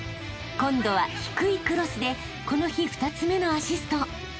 ［今度は低いクロスでこの日２つ目のアシスト］